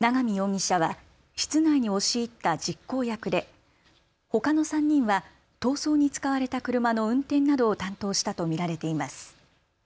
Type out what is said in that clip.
永見容疑者は室内に押し入った実行役でほかの３人は逃走に使われた車の運転などを担当したと見られています。